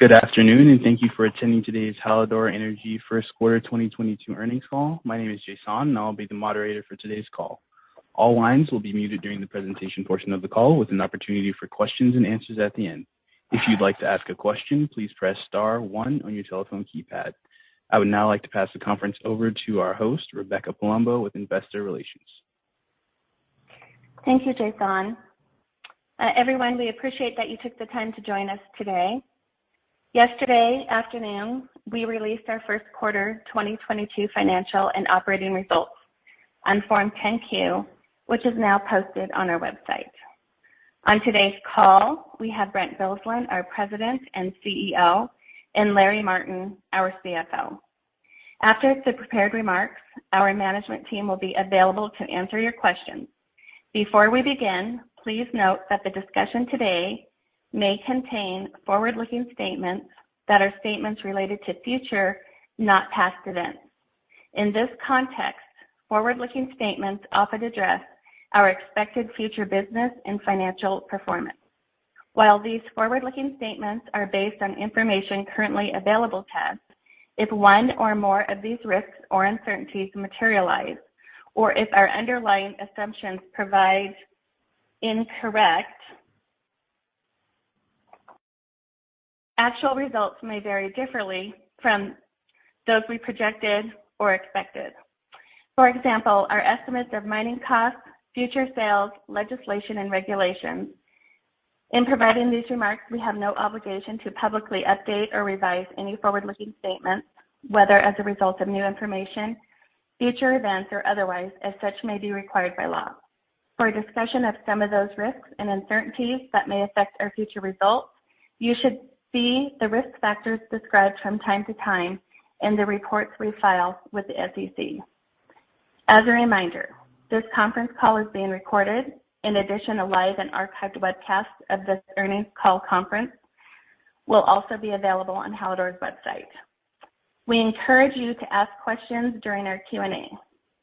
Good afternoon, and thank you for attending today's Hallador Energy first quarter 2022 earnings call. My name is Jason, and I'll be the moderator for today's call. All lines will be muted during the presentation portion of the call with an opportunity for questions and answers at the end. If you'd like to ask a question, please press star one on your telephone keypad. I would now like to pass the conference over to our host, Rebecca Palumbo, with Investor Relations. Thank you, Jason. Everyone, we appreciate that you took the time to join us today. Yesterday afternoon, we released our first quarter 2022 financial and operating results on Form 10-Q, which is now posted on our website. On today's call, we have Brent Bilsland, our President and CEO, and Larry Martin, our CFO. After the prepared remarks, our management team will be available to answer your questions. Before we begin, please note that the discussion today may contain forward-looking statements that are statements related to future, not past events. In this context, forward-looking statements often address our expected future business and financial performance. While these forward-looking statements are based on information currently available to us, if one or more of these risks or uncertainties materialize or if our underlying assumptions prove incorrect, actual results may vary differently from those we projected or expected. For example, our estimates of mining costs, future sales, legislation, and regulations. In providing these remarks, we have no obligation to publicly update or revise any forward-looking statements, whether as a result of new information, future events, or otherwise, as such may be required by law. For a discussion of some of those risks and uncertainties that may affect our future results, you should see the risk factors described from time to time in the reports we file with the SEC. As a reminder, this conference call is being recorded. In addition, a live and archived webcast of this earnings call conference will also be available on Hallador's website. We encourage you to ask questions during our Q&A.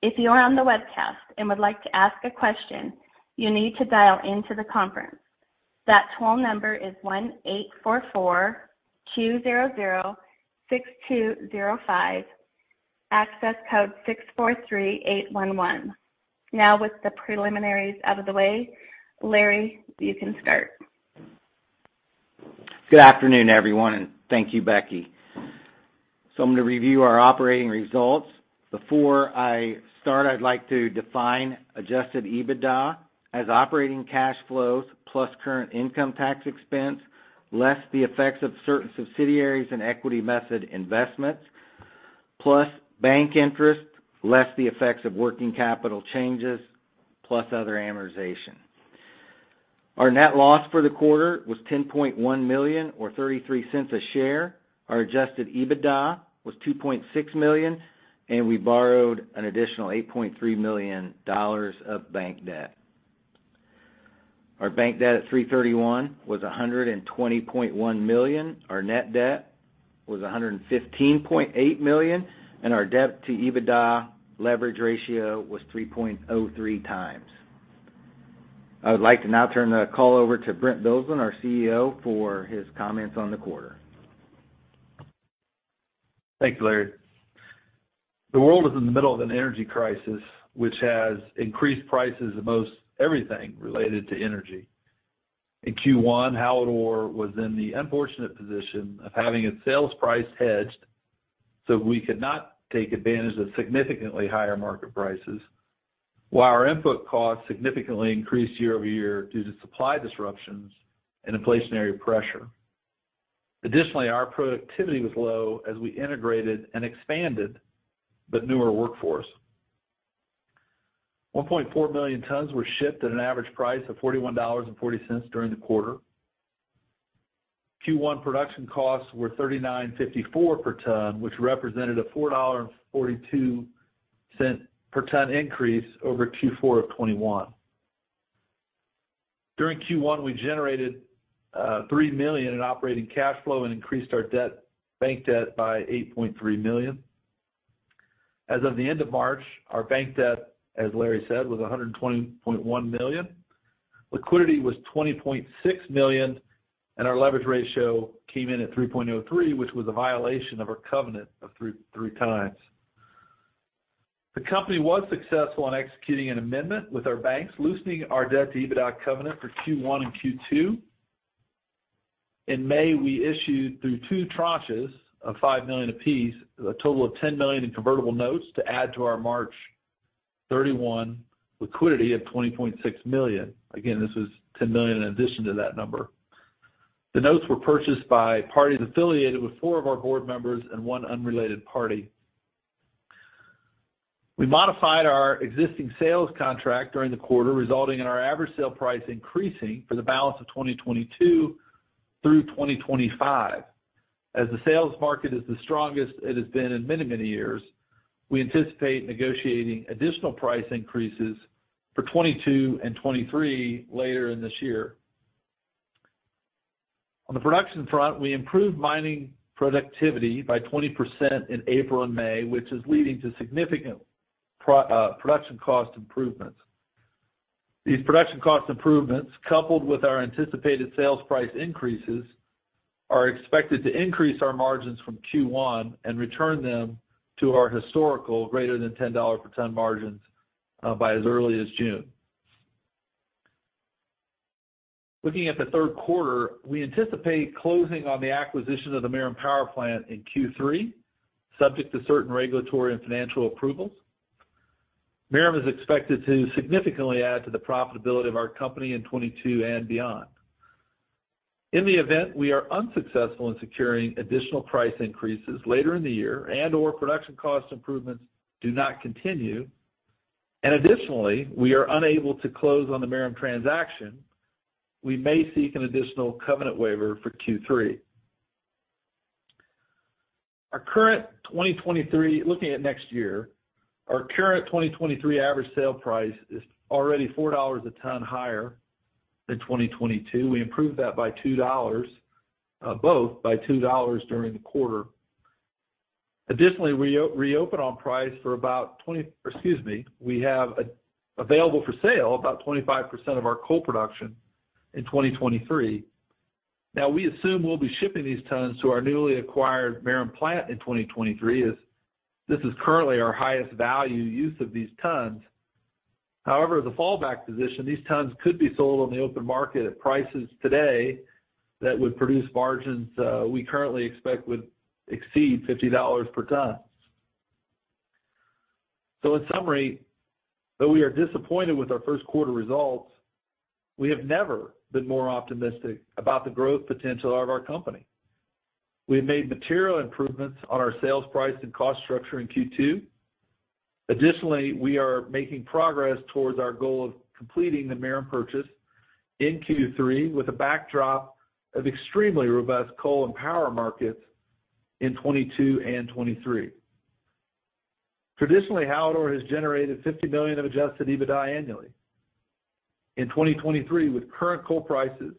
If you are on the webcast and would like to ask a question, you need to dial into the conference. That toll number is 1-844-200-6205, access code 643811. Now with the preliminaries out of the way, Larry, you can start. Good afternoon, everyone, and thank you, Becky. I'm gonna review our operating results. Before I start, I'd like to define adjusted EBITDA as operating cash flows plus current income tax expense, less the effects of certain subsidiaries and equity method investments, plus bank interest, less the effects of working capital changes, plus other amortization. Our net loss for the quarter was $10.1 million or $0.33 a share. Our adjusted EBITDA was $2.6 million, and we borrowed an additional $8.3 million of bank debt. Our bank debt at 3/31 was $120.1 million. Our net debt was $115.8 million, and our debt-to-EBITDA leverage ratio was 3.03 times. I would like to now turn the call over to Brent Bilsland, our CEO, for his comments on the quarter. Thanks, Larry. The world is in the middle of an energy crisis, which has increased prices of most everything related to energy. In Q1, Hallador was in the unfortunate position of having its sales price hedged so we could not take advantage of significantly higher market prices, while our input costs significantly increased year over year due to supply disruptions and inflationary pressure. Additionally, our productivity was low as we integrated and expanded the newer workforce. 1.4 million tons were shipped at an average price of $41.40 during the quarter. Q1 production costs were $39.54 per ton, which represented a $4.42 per ton increase over Q4 of 2021. During Q1, we generated $3 million in operating cash flow and increased our bank debt by $8.3 million. As of the end of March, our bank debt, as Larry said, was $120.1 million. Liquidity was $20.6 million, and our leverage ratio came in at 3.03, which was a violation of our covenant of 3.3 times. The company was successful in executing an amendment with our banks, loosening our debt-to-EBITDA covenant for Q1 and Q2. In May, we issued through two tranches of $5 million apiece, a total of $10 million in convertible notes to add to our March 31 liquidity of $20.6 million. Again, this is $10 million in addition to that number. The notes were purchased by parties affiliated with four of our board members and one unrelated party. We modified our existing sales contract during the quarter, resulting in our average sale price increasing for the balance of 2022 through 2025. As the sales market is the strongest it has been in many, many years, we anticipate negotiating additional price increases for 2022 and 2023 later in this year. On the production front, we improved mining productivity by 20% in April and May, which is leading to significant production cost improvements. These production cost improvements, coupled with our anticipated sales price increases, are expected to increase our margins from Q1 and return them to our historical greater than $10 per ton margins, by as early as June. Looking at the third quarter, we anticipate closing on the acquisition of the Merom Generating Station in Q3, subject to certain regulatory and financial approvals. Merom is expected to significantly add to the profitability of our company in 2022 and beyond. In the event we are unsuccessful in securing additional price increases later in the year and/or production cost improvements do not continue, and additionally, we are unable to close on the Merom transaction, we may seek an additional covenant waiver for Q3. Our current 2023 average sale price is already $4/ton higher than 2022. We improved that by $2, both by $2 during the quarter. Additionally, we have available for sale about 25% of our coal production in 2023. Now, we assume we'll be shipping these tons to our newly acquired Merom Plant in 2023, as this is currently our highest value use of these tons. However, as a fallback position, these tons could be sold on the open market at prices today that would produce margins we currently expect would exceed $50 per ton. In summary, though we are disappointed with our first quarter results, we have never been more optimistic about the growth potential of our company. We have made material improvements on our sales price and cost structure in Q2. Additionally, we are making progress towards our goal of completing the Merom purchase in Q3 with a backdrop of extremely robust coal and power markets in 2022 and 2023. Traditionally, Hallador has generated $50 million of adjusted EBITDA annually. In 2023, with current coal prices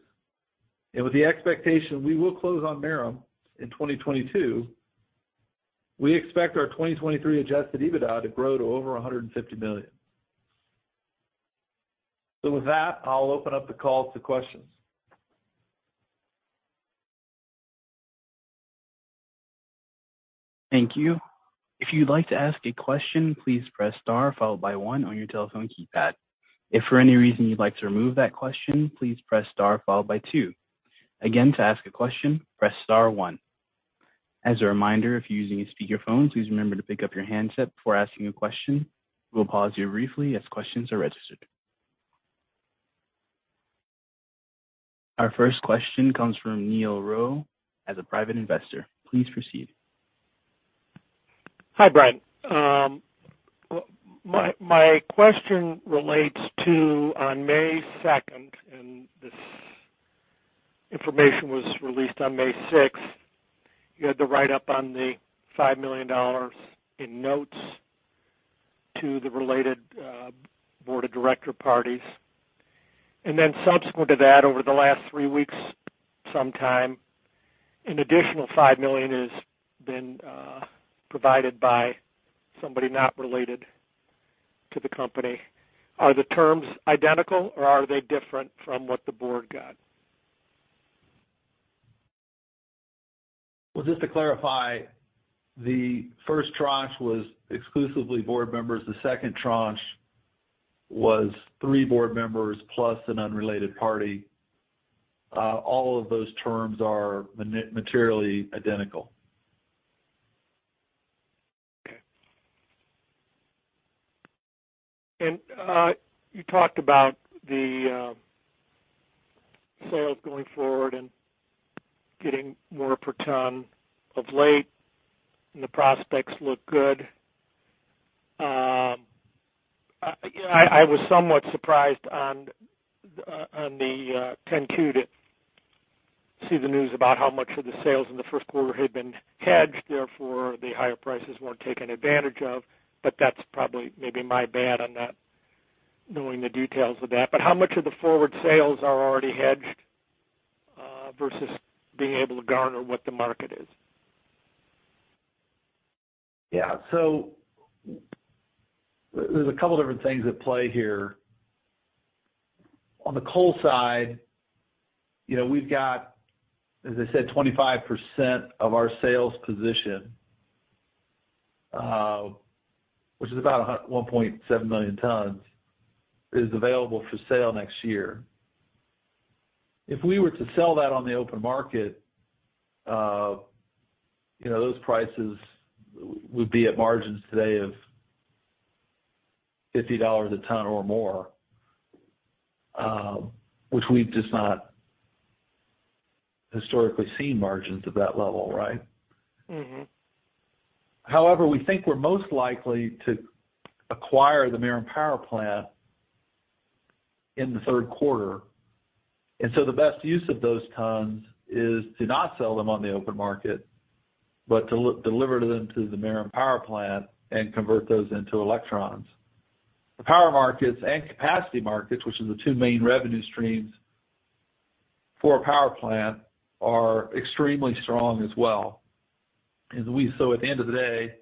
and with the expectation we will close on Merom in 2022, we expect our 2023 adjusted EBITDA to grow to over $150 million. With that, I'll open up the call to questions. Thank you. If you'd like to ask a question, please press star followed by one on your telephone keypad. If for any reason you'd like to remove that question, please press star followed by two. Again, to ask a question, press star one. As a reminder, if you're using a speakerphone, please remember to pick up your handset before asking a question. We'll pause you briefly as questions are registered. Our first question comes from Neil Rowe as a private investor. Please proceed. Hi, Brent Bilsland. My question relates to on May second, and this information was released on May sixth. You had the write-up on the $5 million in notes to the related board of director parties. Then subsequent to that, over the last three weeks sometime, an additional $5 million has been provided by somebody not related to the company. Are the terms identical, or are they different from what the board got? Well, just to clarify, the first tranche was exclusively board members. The second tranche was three board members plus an unrelated party. All of those terms are materially identical. Okay. You talked about the sales going forward and getting more per ton of late, and the prospects look good. I was somewhat surprised on the 10-Q to see the news about how much of the sales in the first quarter had been hedged, therefore, the higher prices weren't taken advantage of. That's probably maybe my bad on not knowing the details of that. How much of the forward sales are already hedged versus being able to garner what the market is? Yeah. There's a couple different things at play here. On the coal side, you know, we've got, as I said, 25% of our sales position, which is about 1.7 million tons, is available for sale next year. If we were to sell that on the open market, you know, those prices would be at margins today of $50 a ton or more, which we've just not historically seen margins at that level, right? However, we think we're most likely to acquire the Merom Generating Station in the third quarter, and so the best use of those tons is to not sell them on the open market, but to deliver them to the Merom Generating Station and convert those into electrons. The power markets and capacity markets, which are the two main revenue streams for a power plant, are extremely strong. At the end of the day,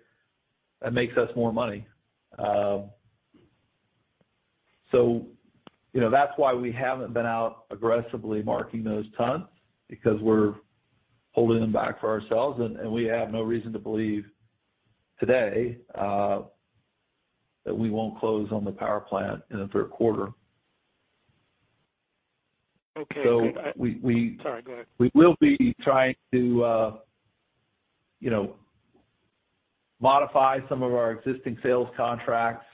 that makes us more money. You know, that's why we haven't been out aggressively marketing those tons because we're holding them back for ourselves. We have no reason to believe today that we won't close on the power plant in the third quarter. Okay. Good. We Sorry, go ahead. We will be trying to, you know, modify some of our existing sales contracts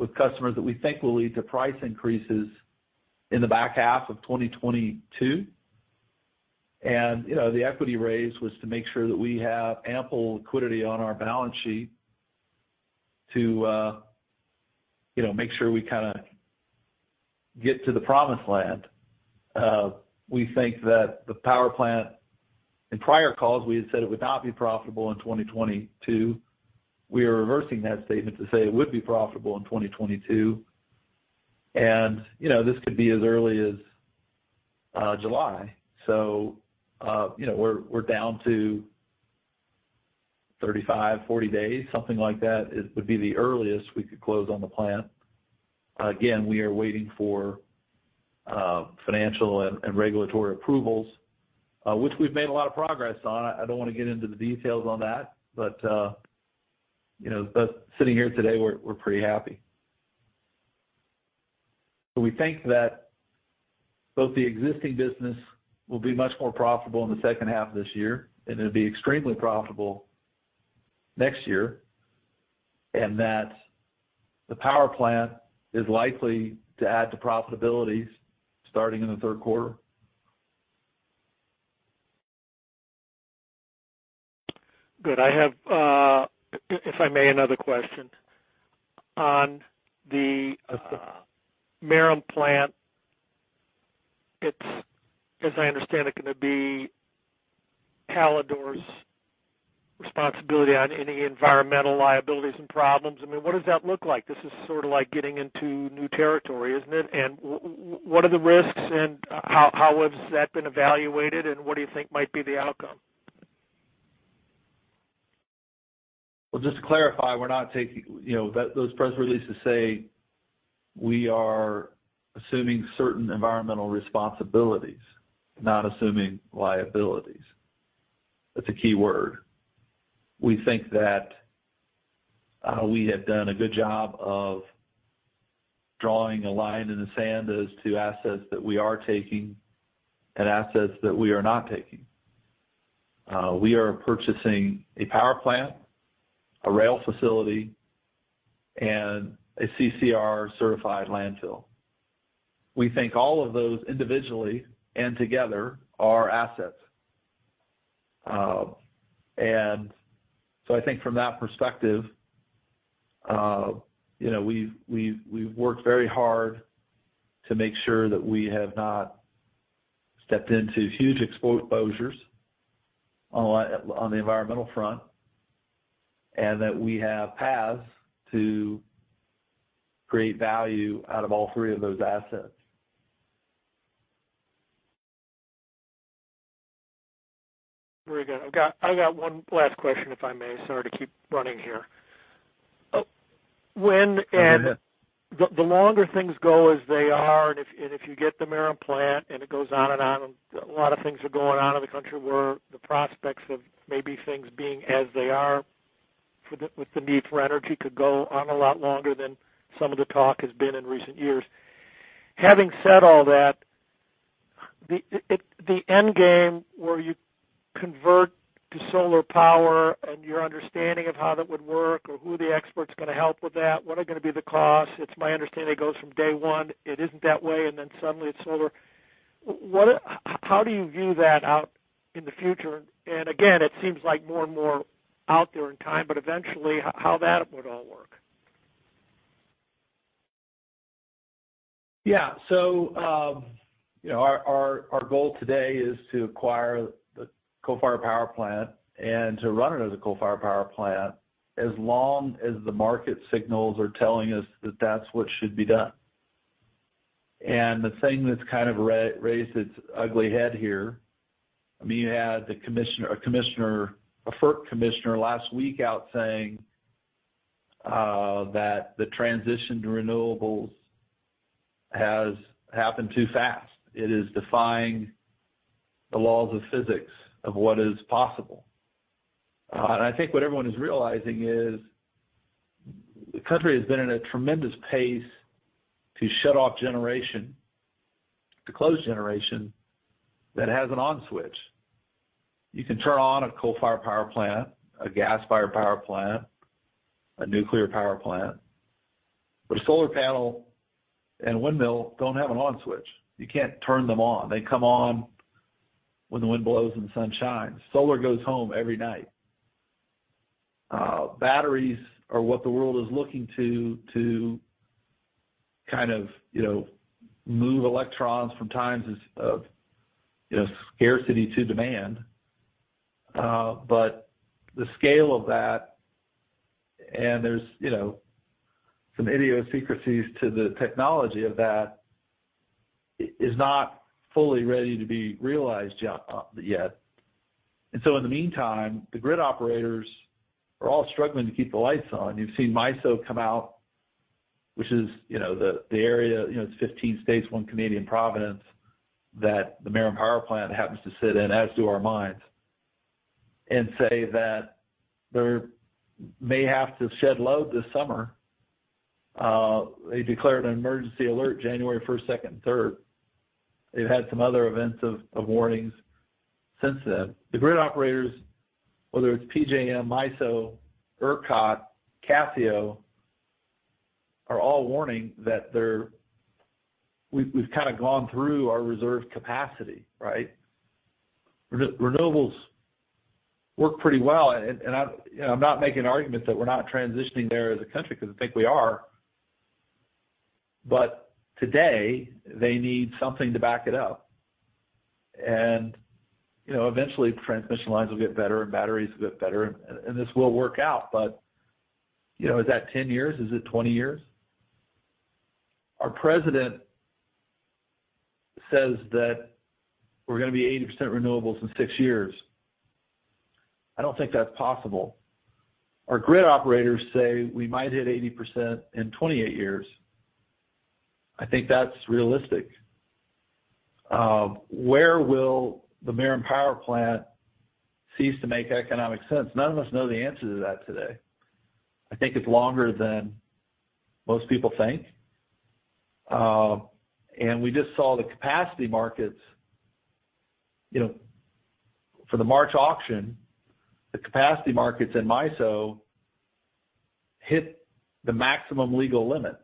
with customers that we think will lead to price increases in the back half of 2022. You know, the equity raise was to make sure that we have ample liquidity on our balance sheet to, you know, make sure we kinda get to the promised land. We think that in prior calls, we had said it would not be profitable in 2022. We are reversing that statement to say it would be profitable in 2022. You know, this could be as early as July. You know, we're down to 35-40 days, something like that would be the earliest we could close on the plant. Again, we are waiting for financial and regulatory approvals, which we've made a lot of progress on. I don't wanna get into the details on that, but you know, but sitting here today, we're pretty happy. We think that both the existing business will be much more profitable in the second half of this year, and it'll be extremely profitable next year, and that the power plant is likely to add to profitabilities starting in the third quarter. Good. I have, if I may, another question. On the Merom plant, as I understand, it's gonna be Hallador's responsibility on any environmental liabilities and problems. I mean, what does that look like? This is sorta like getting into new territory, isn't it? What are the risks and how has that been evaluated, and what do you think might be the outcome? Well, just to clarify, we're not taking, you know, that those press releases say we are assuming certain environmental responsibilities, not assuming liabilities. That's a key word. We think that we have done a good job of drawing a line in the sand as to assets that we are taking and assets that we are not taking. We are purchasing a power plant, a rail facility, and a CCR-certified landfill. We think all of those individually and together are assets. I think from that perspective, you know, we've worked very hard to make sure that we have not stepped into huge exposures on the environmental front and that we have paths to create value out of all three of those assets. Very good. I've got one last question, if I may. Sorry to keep running here. When and- Go ahead. The longer things go as they are and if you get the Merom plant and it goes on and on, a lot of things are going on in the country where the prospects of maybe things being as they are for with the need for energy could go on a lot longer than some of the talk has been in recent years. Having said all that, the end game where you convert to solar power and your understanding of how that would work or who the experts gonna help with that, what are gonna be the costs? It's my understanding it goes from day one, it isn't that way, and then suddenly it's solar. What, how do you view that out in the future? Again, it seems like more and more out there in time, but eventually how that would all work. Yeah. Our goal today is to acquire the coal-fired power plant and to run it as a coal-fired power plant as long as the market signals are telling us that that's what should be done. The thing that's kind of raised its ugly head here, I mean, you had a FERC commissioner last week out saying that the transition to renewables has happened too fast. It is defying the laws of physics of what is possible. I think what everyone is realizing is the country has been in a tremendous pace to shut off generation, to close generation that has an on switch. You can turn on a coal-fired power plant, a gas-fired power plant, a nuclear power plant. But a solar panel and windmill don't have an on switch. You can't turn them on. They come on when the wind blows and the sun shines. Solar goes home every night. Batteries are what the world is looking to kind of, you know, move electrons from times of, you know, scarcity to demand. But the scale of that. There's, you know, some idiosyncrasies to the technology of that is not fully ready to be realized yet. In the meantime, the grid operators are all struggling to keep the lights on. You've seen MISO come out, which is, you know, the area, you know, it's 15 states, one Canadian province that the Merom Power Plant happens to sit in, as do our mines, and say that there may have to shed load this summer. They declared an emergency alert January first, second, third. They've had some other events of warnings since then. The grid operators, whether it's PJM, MISO, ERCOT, CAISO, are all warning that we've kind of gone through our reserve capacity, right? Renewables work pretty well. I, you know, I'm not making an argument that we're not transitioning there as a country because I think we are. Today, they need something to back it up. You know, eventually transmission lines will get better and batteries will get better and this will work out. You know, is that 10 years? Is it 20 years? Our president says that we're gonna be 80% renewables in 6 years. I don't think that's possible. Our grid operators say we might hit 80% in 28 years. I think that's realistic. Where will the Merom Power Plant cease to make economic sense? None of us know the answer to that today. I think it's longer than most people think. We just saw the capacity markets. You know, for the March auction, the capacity markets in MISO hit the maximum legal limit,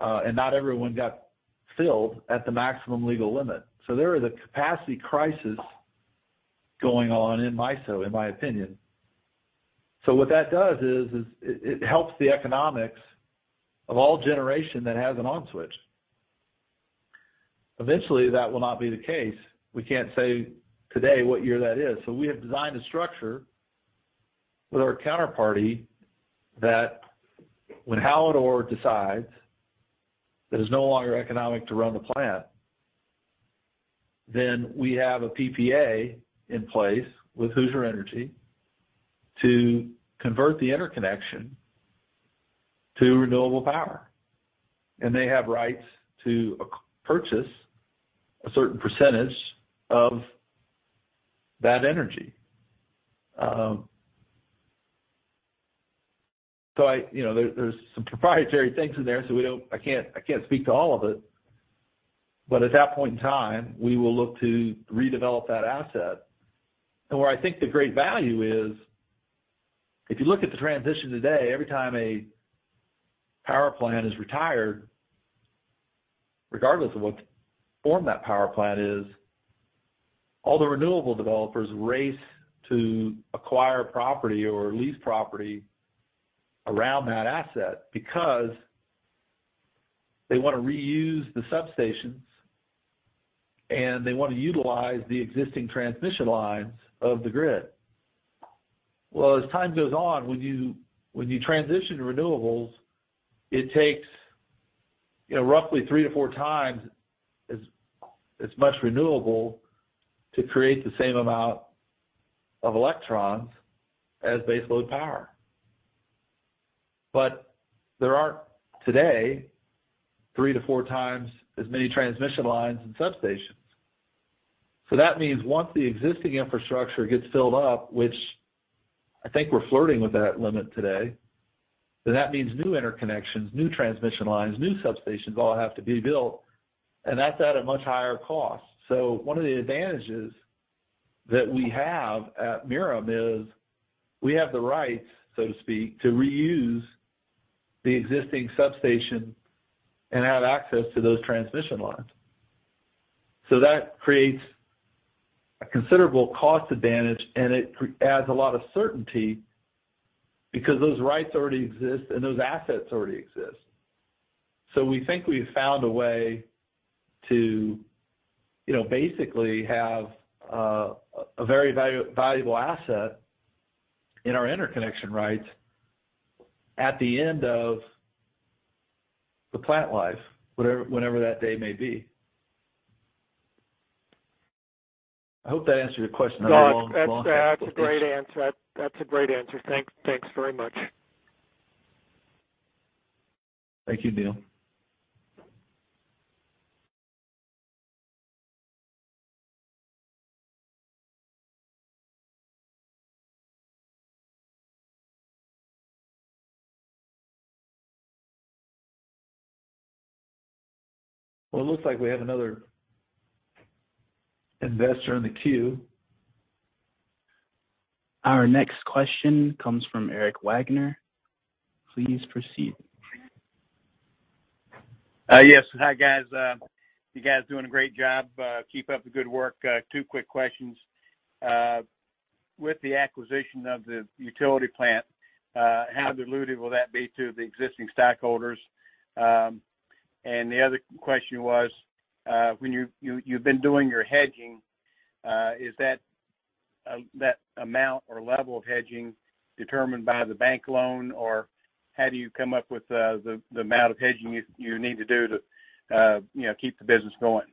and not everyone got filled at the maximum legal limit. There is a capacity crisis going on in MISO, in my opinion. What that does is, it helps the economics of all generation that has an on switch. Eventually, that will not be the case. We can't say today what year that is. We have designed a structure with our counterparty that when Hallador decides that it's no longer economic to run the plant, then we have a PPA in place with Hoosier Energy to convert the interconnection to renewable power. They have rights to purchase a certain percentage of that energy. I... You know, there's some proprietary things in there, so I can't speak to all of it. At that point in time, we will look to redevelop that asset. Where I think the great value is, if you look at the transition today, every time a power plant is retired, regardless of what form that power plant is, all the renewable developers race to acquire property or lease property around that asset because they want to reuse the substations, and they want to utilize the existing transmission lines of the grid. Well, as time goes on, when you transition to renewables, it takes, you know, roughly 3-4 times as much renewable to create the same amount of electrons as baseload power. There aren't today 3-4 times as many transmission lines and substations. That means once the existing infrastructure gets filled up, which I think we're flirting with that limit today, then that means new interconnections, new transmission lines, new substations all have to be built, and that's at a much higher cost. One of the advantages that we have at Merom is we have the rights, so to speak, to reuse the existing substation and have access to those transmission lines. That creates a considerable cost advantage, and it adds a lot of certainty because those rights already exist and those assets already exist. We think we've found a way to, you know, basically have a very valuable asset in our interconnection rights at the end of the plant life, whenever that day may be. I hope that answered your question. I know long, long. No, that's a great answer. Thanks very much. Thank you, Neil. Well, it looks like we have another investor in the queue. Our next question comes from Eric Wagner. Please proceed. Yes. Hi, guys. You guys doing a great job. Keep up the good work. Two quick questions. With the acquisition of the utility plant, how dilutive will that be to the existing stockholders? The other question was, when you've been doing your hedging, is that amount or level of hedging determined by the bank loan? Or how do you come up with the amount of hedging you need to do to, you know, keep the business going?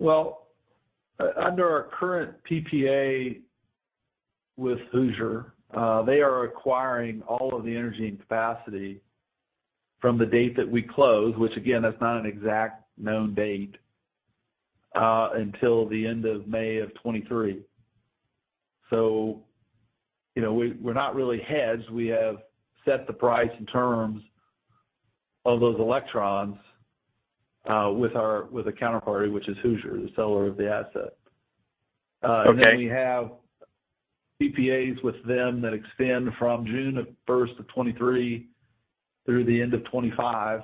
Well, under our current PPA with Hoosier, they are acquiring all of the energy and capacity from the date that we close, which again, that's not an exact known date, until the end of May 2023. You know, we're not really hedged. We have set the price and terms of those electrons with a counterparty, which is Hoosier, the seller of the asset. Okay. We have PPAs with them that extend from June 1, 2023 through the end of 2025,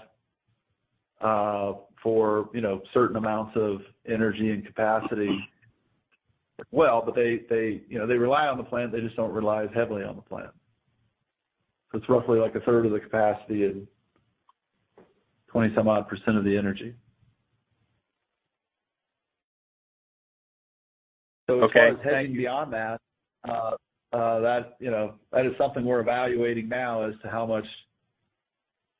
you know, for certain amounts of energy and capacity. They you know rely on the plant, they just don't rely as heavily on the plant. It's roughly like 1/3 of the capacity and 20-some odd% of the energy. Okay. As far as hedging beyond that, you know, that is something we're evaluating now as to how much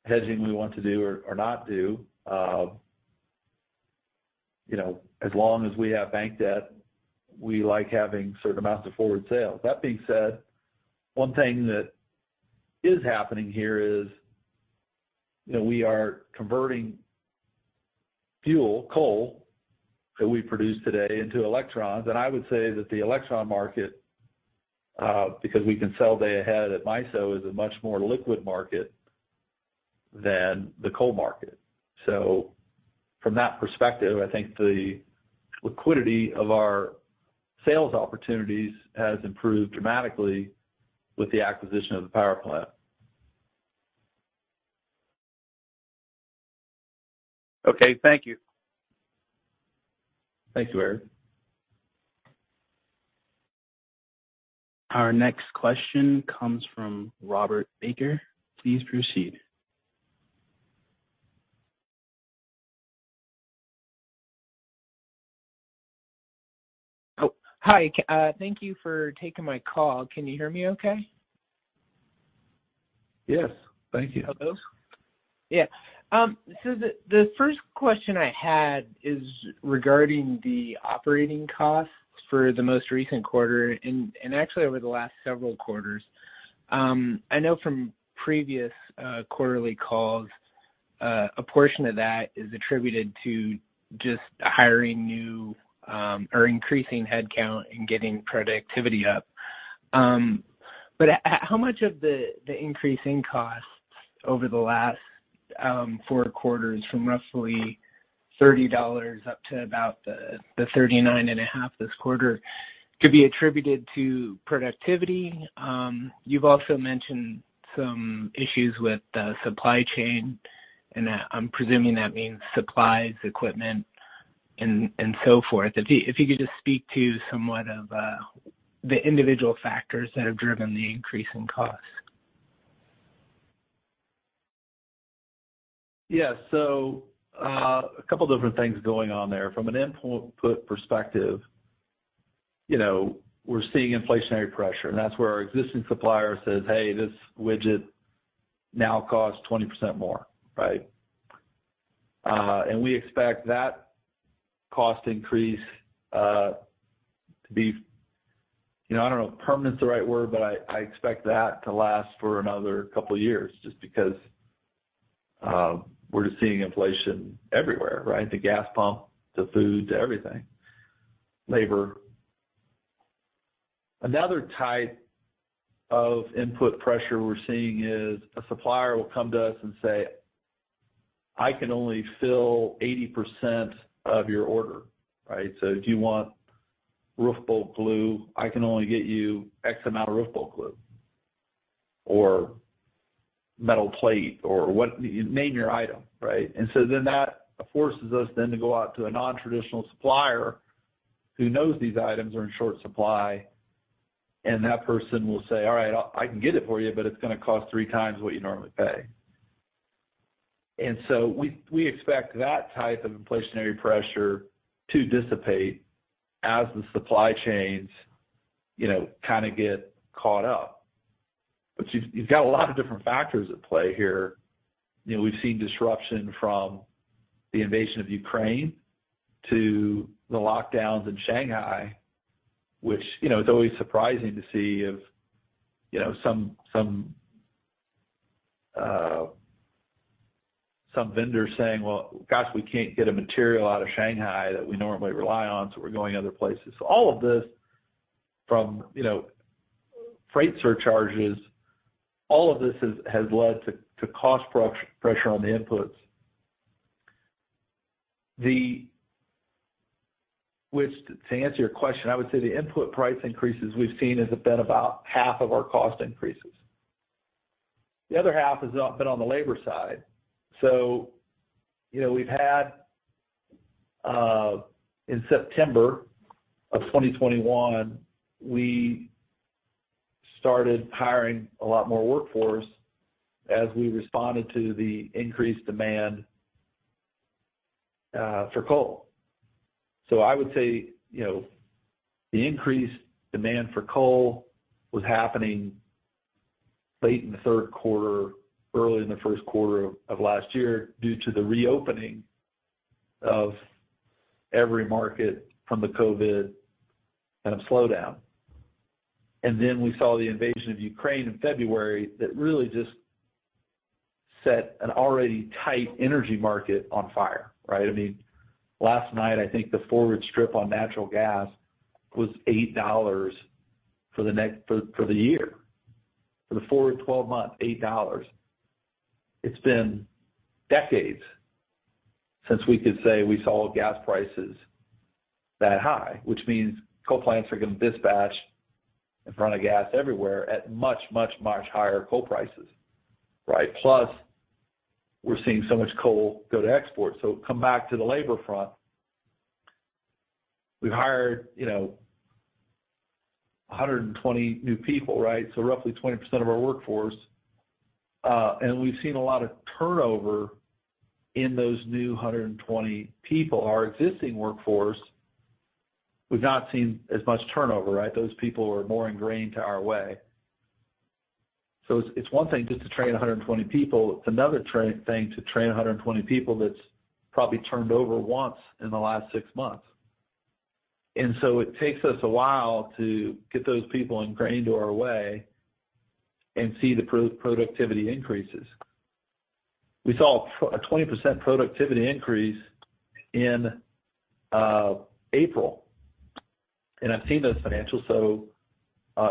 hedging we want to do or not do. You know, as long as we have bank debt, we like having certain amounts of forward sales. That being said, one thing that is happening here is, you know, we are converting fuel, coal that we produce today into electrons. I would say that the electron market, because we can sell day ahead at MISO, is a much more liquid market than the coal market. From that perspective, I think the liquidity of our sales opportunities has improved dramatically with the acquisition of the power plant. Okay. Thank you. Thank you, Eric. Our next question comes from Robert Baker. Please proceed. Oh, hi. Thank you for taking my call. Can you hear me okay? Yes. Thank you. Hello? Yeah. The first question I had is regarding the operating costs for the most recent quarter and actually over the last several quarters. I know from previous quarterly calls a portion of that is attributed to just hiring new or increasing headcount and getting productivity up. How much of the increase in costs over the last four quarters from roughly $30 up to about $39.5 this quarter could be attributed to productivity? You've also mentioned some issues with the supply chain, and I'm presuming that means supplies, equipment and so forth. If you could just speak to some of the individual factors that have driven the increase in costs. Yeah. A couple different things going on there. From an input perspective, you know, we're seeing inflationary pressure, and that's where our existing supplier says, "Hey, this widget now costs 20% more." Right? We expect that cost increase to be, you know, I don't know if permanent is the right word, but I expect that to last for another couple of years just because we're just seeing inflation everywhere, right? The gas pump to food to everything, labor. Another type of input pressure we're seeing is a supplier will come to us and say, "I can only fill 80% of your order." Right? If you want roof bolt glue, I can only get you X amount of roof bolt glue or metal plate, you name your item, right? that forces us then to go out to a non-traditional supplier who knows these items are in short supply, and that person will say, "All right. I can get it for you, but it's gonna cost three times what you normally pay." We expect that type of inflationary pressure to dissipate as the supply chains, you know, kind of get caught up. You've got a lot of different factors at play here. You know, we've seen disruption from the invasion of Ukraine to the lockdowns in Shanghai, which, you know, it's always surprising to see, you know, some vendors saying, "Well, gosh, we can't get a material out of Shanghai that we normally rely on, so we're going other places." All of this from, you know, freight surcharges, all of this has led to cost pressure on the inputs. Which, to answer your question, I would say the input price increases we've seen has been about half of our cost increases. The other half has been on the labor side. You know, we've had, in September of 2021, we started hiring a lot more workforce as we responded to the increased demand for coal. I would say, you know, the increased demand for coal was happening late in the third quarter, early in the first quarter of last year due to the reopening of every market from the COVID kind of slowdown. Then we saw the invasion of Ukraine in February that really just set an already tight energy market on fire, right? I mean, last night, I think the forward strip on natural gas was $8 for the year. For the forward 12 months, $8. It's been decades since we could say we saw gas prices that high, which means coal plants are gonna dispatch in front of gas everywhere at much, much, much higher coal prices, right? Plus, we're seeing so much coal go to export. Come back to the labor front. We've hired, you know, 120 new people, right? Roughly 20% of our workforce. We've seen a lot of turnover in those new 120 people. Our existing workforce, we've not seen as much turnover, right? Those people are more ingrained to our way. It's one thing just to train 120 people. It's another thing to train 120 people that's probably turned over once in the last six months. It takes us a while to get those people ingrained to our way and see the productivity increases. We saw a 20% productivity increase in April. I've seen those financials, so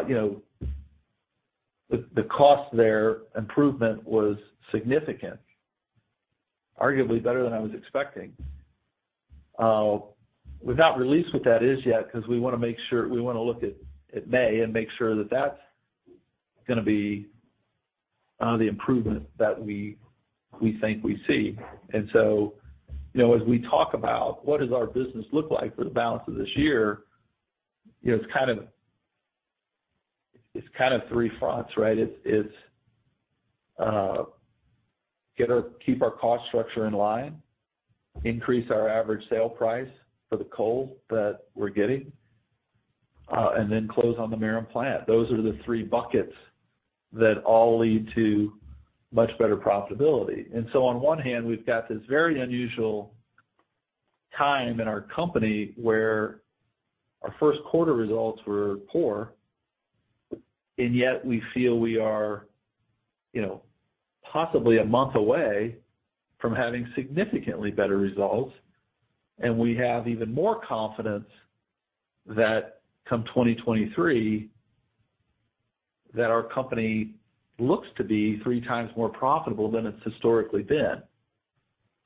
you know, the cost improvement there was significant, arguably better than I was expecting. We've not released what that is yet because we wanna look at May and make sure that that's gonna be the improvement that we think we see. You know, as we talk about what does our business look like for the balance of this year? You know, it's kind of three fronts, right? It's keep our cost structure in line, increase our average sale price for the coal that we're getting, and then close on the Merom plant. Those are the three buckets that all lead to much better profitability. On one hand, we've got this very unusual time in our company where our first quarter results were poor, and yet we feel we are, you know, possibly a month away from having significantly better results. We have even more confidence that come 2023, that our company looks to be three times more profitable than it's historically been.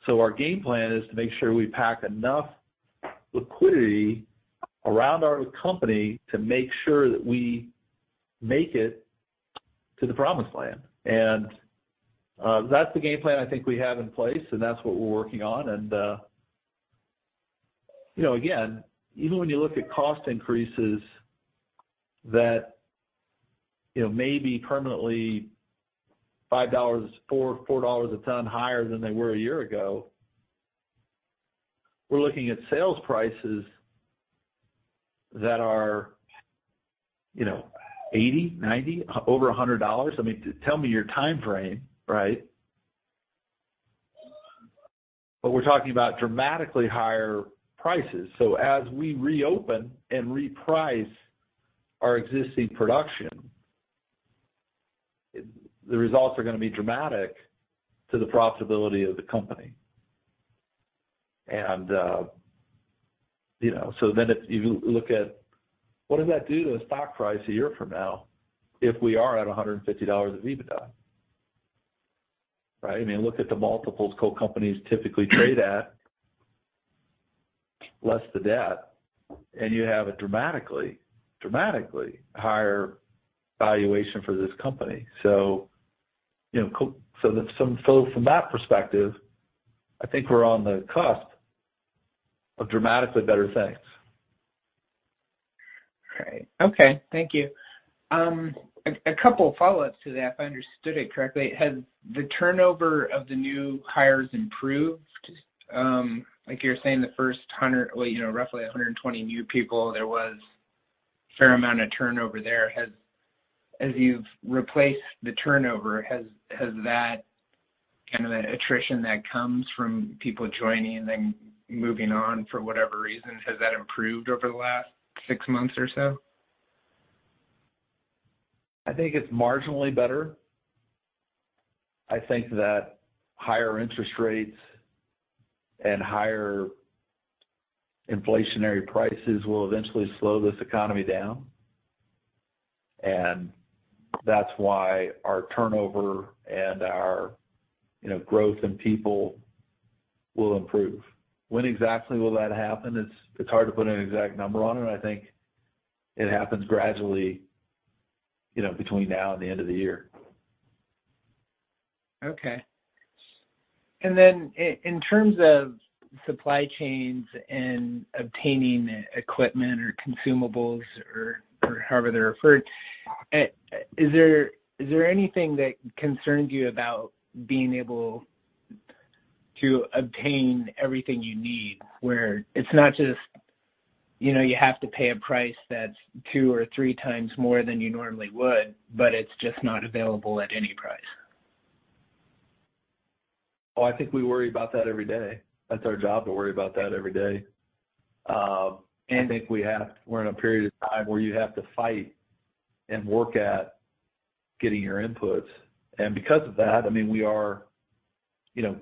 Our game plan is to make sure we pack enough liquidity around our company to make sure that we make it to the promised land. That's the game plan I think we have in place, and that's what we're working on. You know, again, even when you look at cost increases that, you know, may be permanently $5, $4 a ton higher than they were a year ago. We're looking at sales prices that are, you know, $80, $90, over $100. I mean, tell me your timeframe, right? But we're talking about dramatically higher prices. As we reopen and reprice our existing production, the results are gonna be dramatic to the profitability of the company. You know, so then if you look at what does that do to the stock price a year from now if we are at $150 of EBITDA, right? I mean, look at the multiples coal companies typically trade at, less the debt, and you have a dramatically higher valuation for this company. You know, from that perspective, I think we're on the cusp of dramatically better things. Great. Okay. Thank you. A couple follow-ups to that if I understood it correctly. Has the turnover of the new hires improved? Like you were saying, roughly 120 new people, there was a fair amount of turnover there. As you've replaced the turnover, has that kind of attrition that comes from people joining and then moving on for whatever reason, has that improved over the last six months or so? I think it's marginally better. I think that higher interest rates and higher inflationary prices will eventually slow this economy down. That's why our turnover and our, you know, growth in people will improve. When exactly will that happen? It's hard to put an exact number on it. I think it happens gradually, you know, between now and the end of the year. Okay. In terms of supply chains and obtaining equipment or consumables or however they're referred, is there anything that concerns you about being able to obtain everything you need where it's not just, you know, you have to pay a price that's two or three times more than you normally would, but it's just not available at any price? Oh, I think we worry about that every day. That's our job to worry about that every day. We're in a period of time where you have to fight and work at getting your inputs. Because of that, I mean, we are, you know,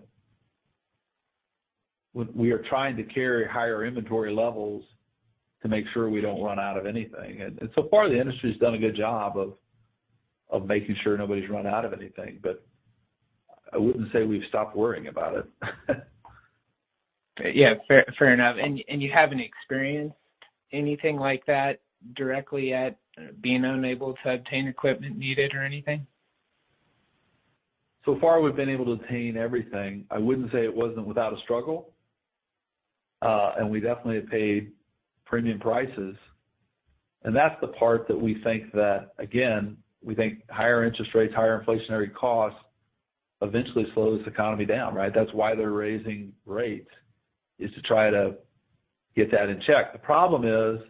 we are trying to carry higher inventory levels to make sure we don't run out of anything. So far the industry's done a good job of making sure nobody's run out of anything. I wouldn't say we've stopped worrying about it. Yeah. Fair enough. You haven't experienced anything like that directly at being unable to obtain equipment needed or anything? So far we've been able to obtain everything. I wouldn't say it wasn't without a struggle. We definitely have paid premium prices. That's the part that we think that, again, higher interest rates, higher inflationary costs eventually slow this economy down, right? That's why they're raising rates, is to try to get that in check. The problem is,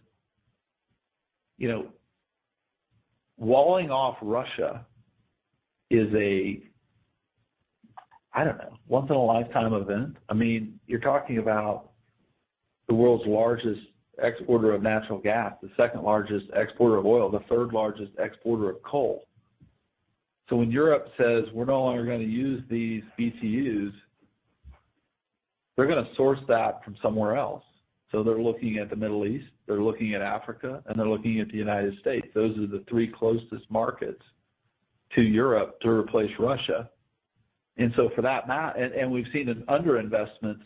you know, walling off Russia is a, I don't know, once in a lifetime event. I mean, you're talking about the world's largest exporter of natural gas, the second largest exporter of oil, the third largest exporter of coal. When Europe says, "We're no longer gonna use these BTUs," they're gonna source that from somewhere else. They're looking at the Middle East, they're looking at Africa, and they're looking at the United States. Those are the three closest markets to Europe to replace Russia. We've seen an underinvestment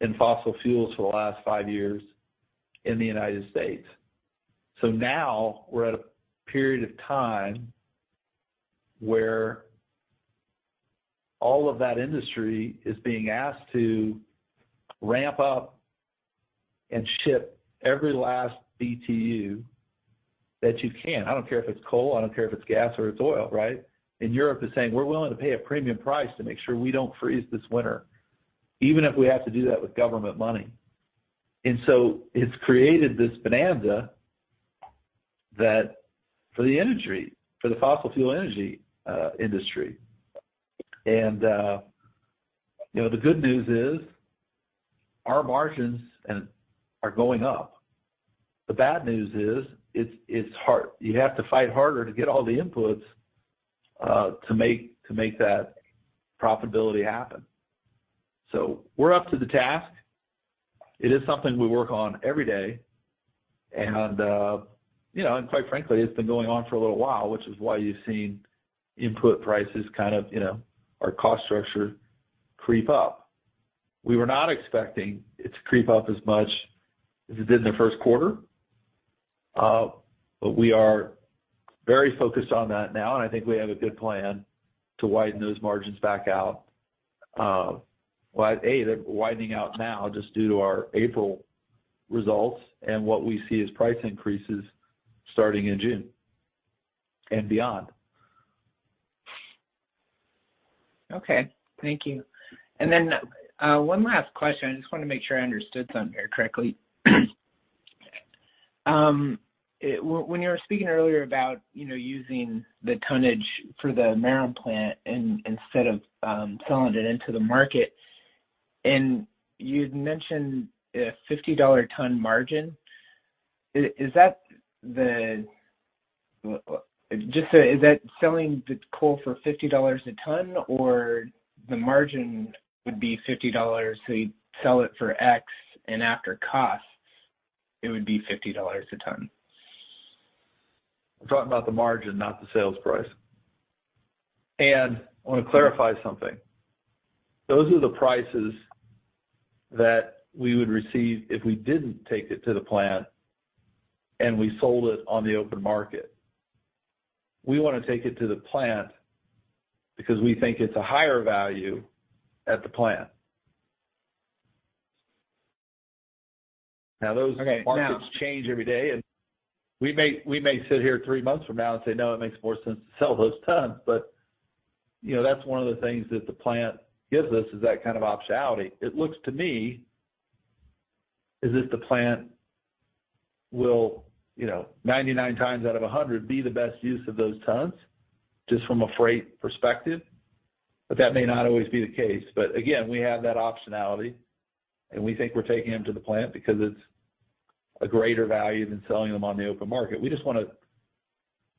in fossil fuels for the last five years in the United States. Now we're at a period of time where all of that industry is being asked to ramp up and ship every last BTU that you can. I don't care if it's coal, I don't care if it's gas or it's oil, right? Europe is saying, "We're willing to pay a premium price to make sure we don't freeze this winter, even if we have to do that with government money." It's created this bonanza that for the energy, for the fossil fuel energy industry. You know, the good news is our margins are going up. The bad news is, it's hard. You have to fight harder to get all the inputs to make that profitability happen. We're up to the task. It is something we work on every day. You know, and quite frankly, it's been going on for a little while, which is why you've seen input prices kind of, you know, our cost structure creep up. We were not expecting it to creep up as much as it did in the first quarter, but we are very focused on that now, and I think we have a good plan to widen those margins back out. Well, A, they're widening out now just due to our April results and what we see as price increases starting in June and beyond. Okay. Thank you. One last question. I just wanna make sure I understood something here correctly. When you were speaking earlier about, you know, using the tonnage for the Merom plant instead of selling it into the market, and you'd mentioned a $50 a ton margin. Is that selling the coal for $50 a ton or the margin would be $50, so you'd sell it for X and after costs it would be $50 a ton? I'm talking about the margin, not the sales price. I wanna clarify something. Those are the prices that we would receive if we didn't take it to the plant and we sold it on the open market. We wanna take it to the plant because we think it's a higher value at the plant. Now those markets change every day, and we may sit here 3 months from now and say, "No, it makes more sense to sell those tons." You know, that's one of the things that the plant gives us is that kind of optionality. It looks to me as if the plant will, you know, 99 times out of 100 be the best use of those tons, just from a freight perspective. That may not always be the case. Again, we have that optionality, and we think we're taking them to the plant because it's a greater value than selling them on the open market. We just wanna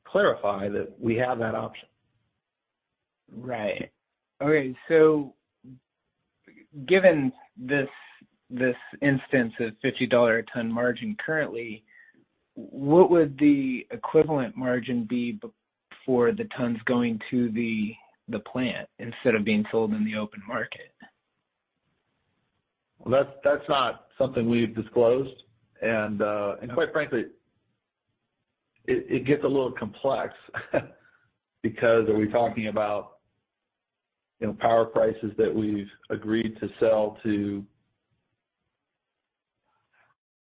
clarify that we have that option. Right. Okay. Given this instance of $50 a ton margin currently, what would the equivalent margin be for the tons going to the plant instead of being sold in the open market? Well, that's not something we've disclosed. Quite frankly, it gets a little complex because are we talking about, you know, power prices that we've agreed to sell to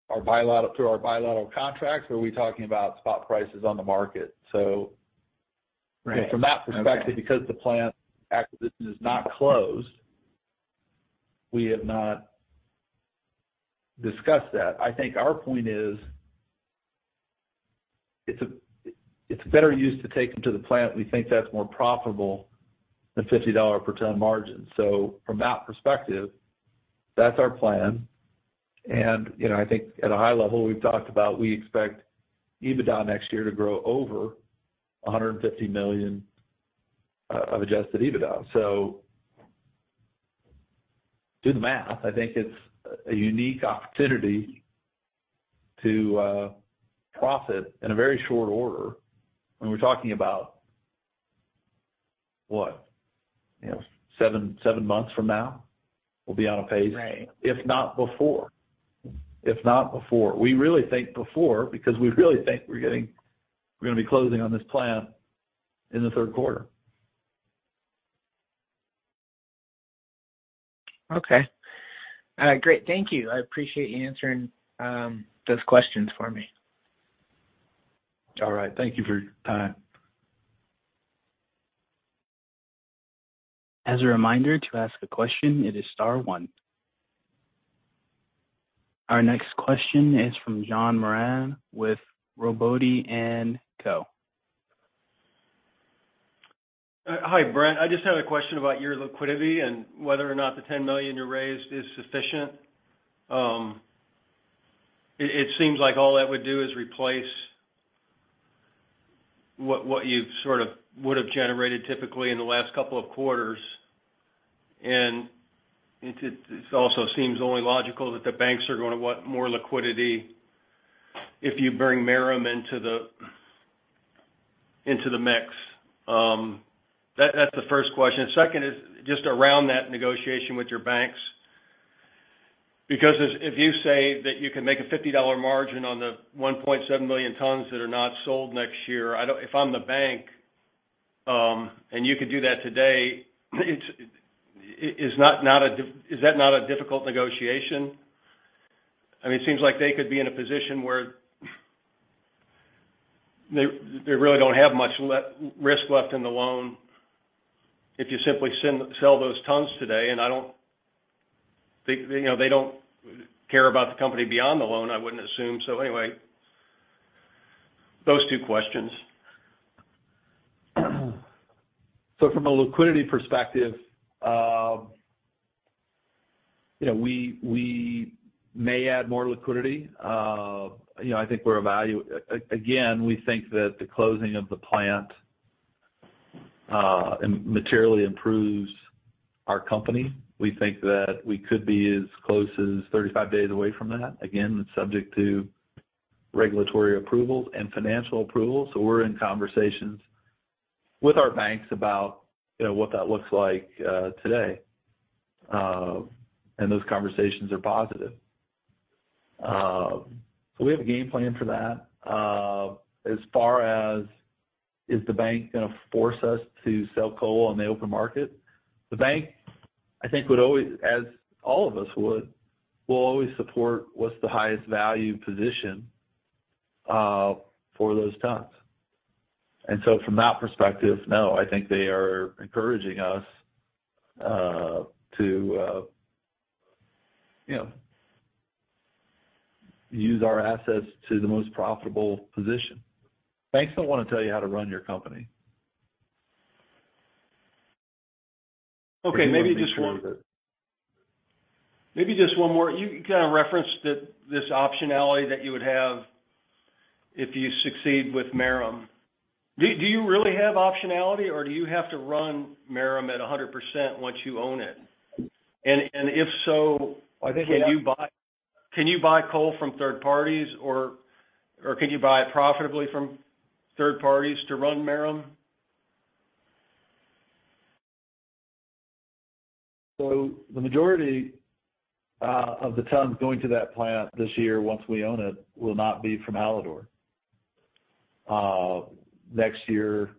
our bilateral contracts? Are we talking about spot prices on the market? Right. Okay From that perspective, because the plant acquisition is not closed, we have not discussed that. I think our point is, it's a better use to take them to the plant. We think that's more profitable than $50 per ton margin. From that perspective, that's our plan. You know, I think at a high level, we've talked about we expect EBITDA next year to grow over $150 million of adjusted EBITDA. Do the math. I think it's a unique opportunity to profit in a very short order when we're talking about, what? You know, seven months from now, we'll be on a pace. Right. If not before. We really think before because we really think we're gonna be closing on this plant in the third quarter. Okay. Great. Thank you. I appreciate you answering those questions for me. All right. Thank you for your time. As a reminder to ask a question, it is star one. Our next question is from John Moran with Robotti & Co. Hi, Brent. I just had a question about your liquidity and whether or not the $10 million you raised is sufficient. It seems like all that would do is replace what you sort of would have generated typically in the last couple of quarters. It also seems only logical that the banks are gonna want more liquidity if you bring Merom into the mix. That's the first question. Second is just around that negotiation with your banks. Because if you say that you can make a $50 margin on the 1.7 million tons that are not sold next year, if I'm the bank, and you could do that today, is that not a difficult negotiation? I mean, it seems like they could be in a position where they really don't have much risk left in the loan if you simply sell those tons today. I don't. They, you know, they don't care about the company beyond the loan, I wouldn't assume. Anyway, those two questions. From a liquidity perspective, you know, we may add more liquidity. You know, I think, again, we think that the closing of the plant materially improves our company. We think that we could be as close as 35 days away from that. Again, it's subject to regulatory approvals and financial approvals. We're in conversations with our banks about, you know, what that looks like today. Those conversations are positive. We have a game plan for that. As far as, is the bank gonna force us to sell coal on the open market? The bank, I think, would always, as all of us would, will always support what's the highest value position for those tons. From that perspective, no. I think they are encouraging us, to, you know, use our assets to the most profitable position. Banks don't want to tell you how to run your company. Okay. Maybe just one. They want to make sure that. Maybe just one more. You kind of referenced that this optionality that you would have if you succeed with Merom. Do you really have optionality or do you have to run Merom at 100% once you own it? And if so? I think we have. Can you buy coal from third parties or can you buy profitably from third parties to run Merom? The majority of the tons going to that plant this year once we own it will not be from Hallador. Next year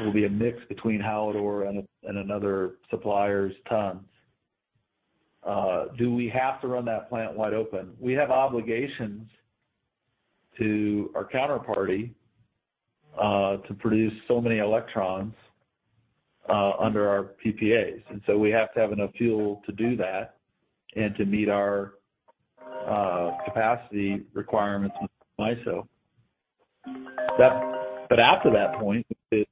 will be a mix between Hallador and another supplier's tons. Do we have to run that plant wide open? We have obligations to our counterparty to produce so many electrons under our PPAs. We have to have enough fuel to do that and to meet our capacity requirements with MISO. After that point, if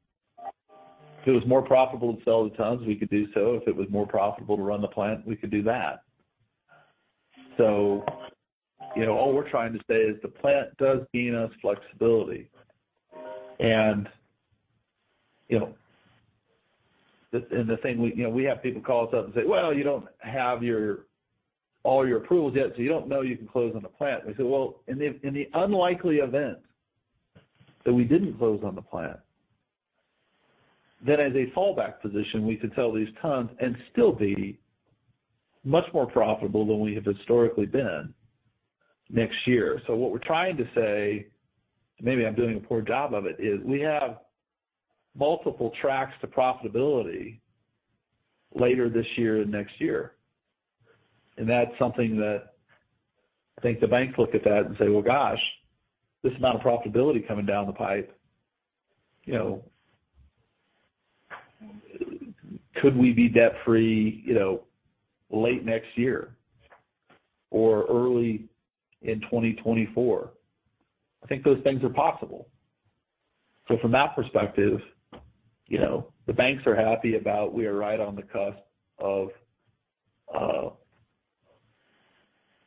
it was more profitable to sell the tons, we could do so. If it was more profitable to run the plant, we could do that. You know, all we're trying to say is the plant does gain us flexibility. You know, the thing we... You know, we have people call us up and say, "Well, you don't have all your approvals yet, so you don't know you can close on the plant." We say, "Well, in the unlikely event that we didn't close on the plant." As a fallback position, we could sell these tons and still be much more profitable than we have historically been next year. What we're trying to say, maybe I'm doing a poor job of it, is we have multiple tracks to profitability later this year and next year. That's something that I think the bank looked at that and say, "Well, gosh, this amount of profitability coming down the pipe, you know, could we be debt-free, you know, late next year or early in 2024?" I think those things are possible. From that perspective, you know, the banks are happy about we are right on the cusp of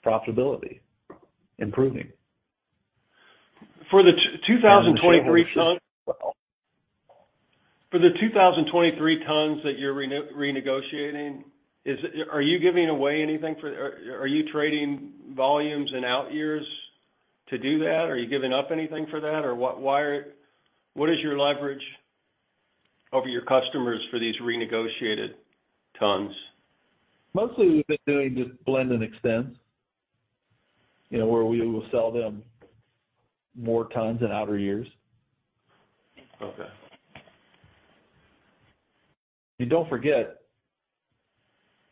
profitability improving. For the two-- two thousand and twenty-three tons- We should own this as well. For the 2023 tons that you're renegotiating, are you giving away anything for that? Are you trading volumes in outyears to do that? Are you giving up anything for that? Or what is your leverage over your customers for these renegotiated tons? Mostly, we've been doing just blend and extends, you know, where we will sell them more tons in outer years. Okay. Don't forget,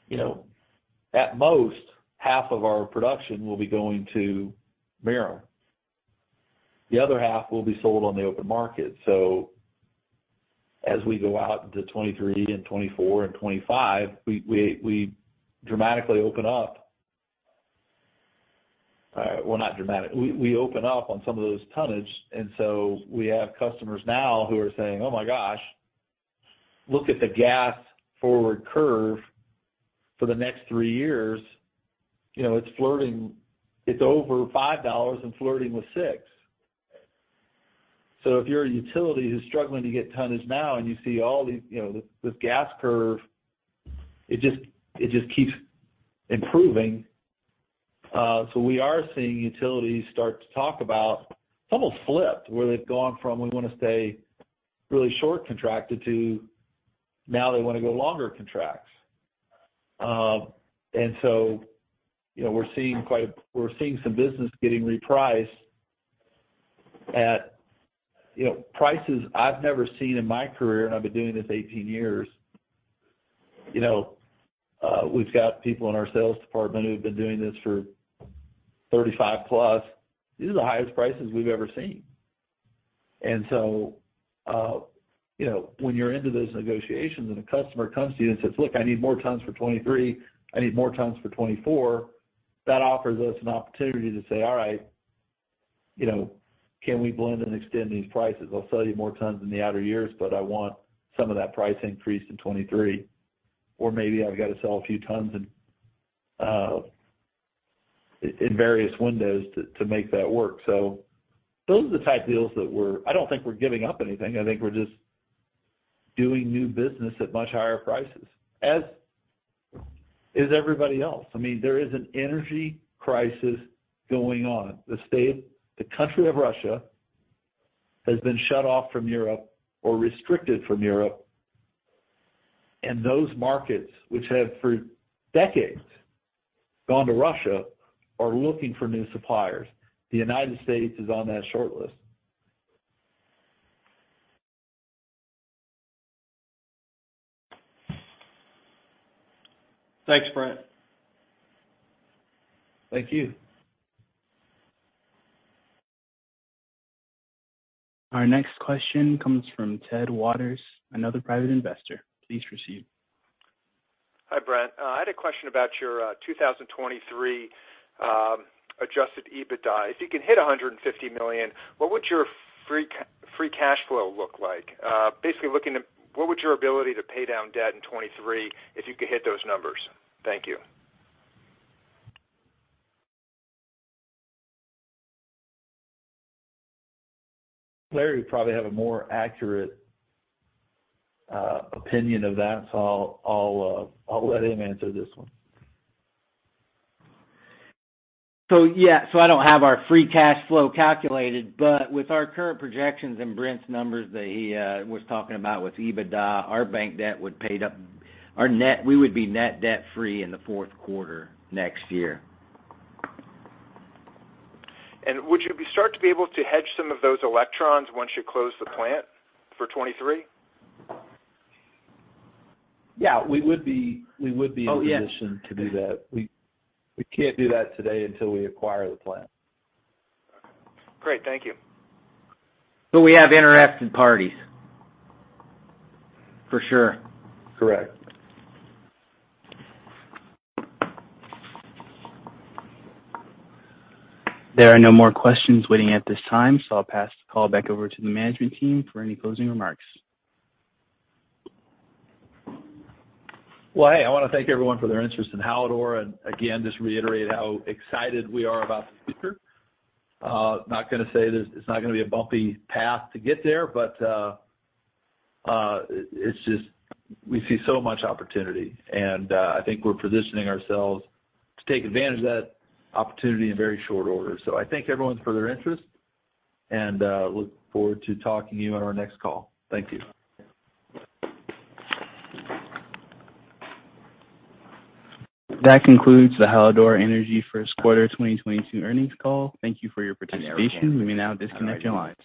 you know, at most, half of our production will be going to Vera. The other half will be sold on the open market. As we go out into 2023 and 2024 and 2025, we dramatically open up. Well, not dramatically. We open up on some of those tonnage. We have customers now who are saying, "Oh my gosh, look at the gas forward curve for the next three years. You know, it's flirting, it's over $5 and flirting with $6." If you're a utility who's struggling to get tonnage now and you see all these, you know, this gas curve, it just keeps improving. We are seeing utilities start to talk about. It's almost flipped, where they've gone from we wanna stay really short contracted to now they wanna go longer contracts. You know, we're seeing some business getting repriced at, you know, prices I've never seen in my career, and I've been doing this 18 years. You know, we've got people in our sales department who have been doing this for 35+. These are the highest prices we've ever seen. You know, when you're into those negotiations, and a customer comes to you and says, "Look, I need more tons for 2023. I need more tons for 2024," that offers us an opportunity to say, "All right, you know, can we blend and extend these prices? I'll sell you more tons in the outer years, but I want some of that price increase in 2023." Maybe I've got to sell a few tons in various windows to make that work. Those are the type deals that we're. I don't think we're giving up anything. I think we're just doing new business at much higher prices, as is everybody else. I mean, there is an energy crisis going on. The country of Russia has been shut off from Europe or restricted from Europe, and those markets which have, for decades, gone to Russia are looking for new suppliers. The United States is on that shortlist. Thanks, Brent. Thank you. Our next question comes from Ted Waters, another private investor. Please proceed. Hi, Brent. I had a question about your 2023 adjusted EBITDA. If you can hit $150 million, what would your free cash flow look like? Basically looking at what would your ability to pay down debt in 2023 if you could hit those numbers? Thank you. Larry would probably have a more accurate opinion of that, so I'll let him answer this one. I don't have our free cash flow calculated, but with our current projections and Brent's numbers that he was talking about with EBITDA, we would be net debt-free in the fourth quarter next year. Would you start to be able to hedge some of those electrons once you close the plant for 2023? Yeah, we would be. Oh, yeah. in a position to do that. We can't do that today until we acquire the plant. Great. Thank you. We have interested parties, for sure. Correct. There are no more questions waiting at this time, so I'll pass the call back over to the management team for any closing remarks. Well, hey, I wanna thank everyone for their interest in Hallador, and again, just reiterate how excited we are about the future. Not gonna say that it's not gonna be a bumpy path to get there, but it's just we see so much opportunity, and I think we're positioning ourselves to take advantage of that opportunity in very short order. I thank everyone for their interest, and look forward to talking to you on our next call. Thank you. That concludes the Hallador Energy first quarter 2022 earnings call. Thank you for your participation. You may now disconnect your lines.